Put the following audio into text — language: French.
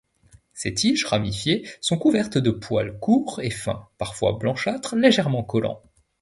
Ces tiges ramifiées sont couvertes de poils courts et fins, parfois blanchâtres, légèrement collants.